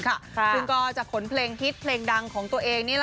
ซึ่งก็จะขนเพลงฮิตเพลงดังของตัวเอง